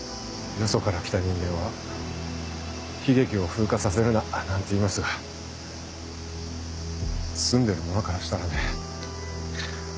よそから来た人間は悲劇を風化させるななんて言いますが住んでる者からしたらね。